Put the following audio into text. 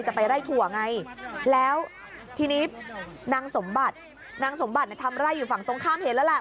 ไปไล่ถั่วไงแล้วทีนี้นางสมบัตินางสมบัติทำไร่อยู่ฝั่งตรงข้ามเห็นแล้วแหละ